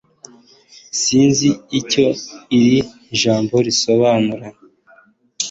Sinzi icyo iri jambo risobanura